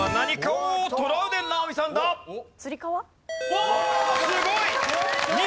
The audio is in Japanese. おおーっすごい！